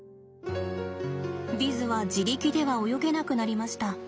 ヴィズは自力では泳げなくなりました。